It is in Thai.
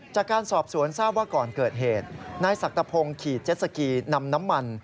จากการสอบสวนทราบว่าก่อนเกิดเหตุนายสักตะพงศ์ขี่เจ็ดสกีนำน้ำมัน